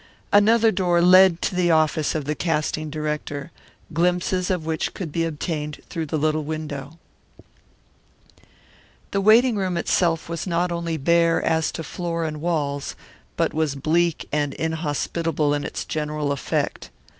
Another door led to the office of the casting director, glimpses of which could be obtained through the little window. The waiting room itself was not only bare as to floor and walls, but was bleak and inhospitable in its general effect.